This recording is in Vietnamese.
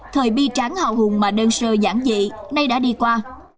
thời bi tráng hào hùng mà đơn sơ giản dị nay đã đi qua